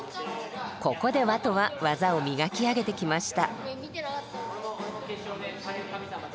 ここでＷＡＴＯは技を磨き上げてきました。